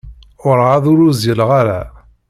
Werɛad ur uzzileɣ ara.